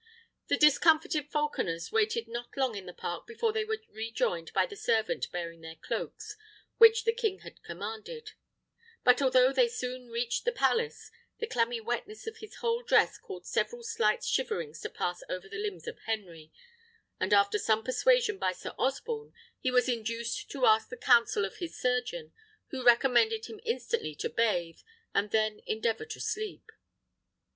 The discomfited falconers waited not long in the park before they were rejoined by the servant bearing the cloaks which the king had commanded; but although they soon reached the palace, the clammy wetness of his whole dress caused several slight shiverings to pass over the limbs of Henry, and after some persuasion by Sir Osborne he was induced to ask the counsel of his surgeon, who recommended him instantly to bathe, and then endeavour to sleep.